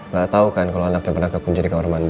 gak tau kan kalau anaknya pernah kekunci di kamar mandi